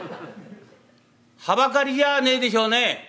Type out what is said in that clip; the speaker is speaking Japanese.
はばかりじゃねえでしょうね。